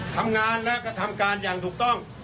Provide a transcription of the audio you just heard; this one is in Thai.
ทำงานและกระทำการอย่างถูกต้อง